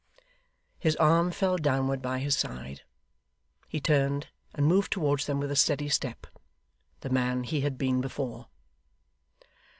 His arm fell downward by his side; he turned; and moved towards them with a steady step, the man he had been before.